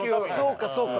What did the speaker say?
そうかそうか。